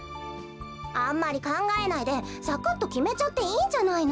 あんまりかんがえないでサクッときめちゃっていいんじゃないの？